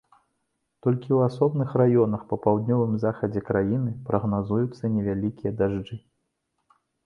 Толькі ў асобных раёнах на паўднёвым захадзе краіны прагназуюцца невялікія дажджы.